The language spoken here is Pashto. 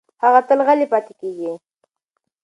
هغه تل غلې پاتې کېږي.